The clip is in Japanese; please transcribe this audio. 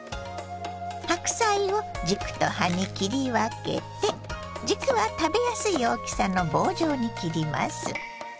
白菜を軸と葉に切り分けて軸は食べやすい大きさの棒状に切ります。